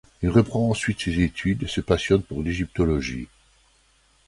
Il reprend ensuite ses études et se passionne pour l’égyptologie.